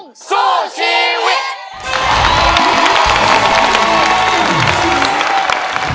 ลูกทุ่งสู้ชีวิต